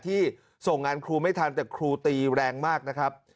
ที่ส่งงานครูไม่ทันแต่ครูตีแรงมากนะครับ